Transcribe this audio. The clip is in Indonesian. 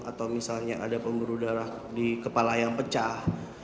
atau misalnya ada pemburu darah di kepala yang pecah